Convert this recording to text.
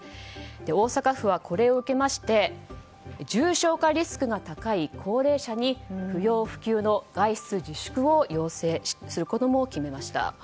大阪府はこれを受けて重症化リスクが高い高齢者に不要不急の外出自粛を要請することも決めました。